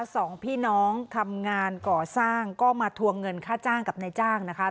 สองพี่น้องทำงานก่อสร้างก็มาทวงเงินค่าจ้างกับนายจ้างนะคะ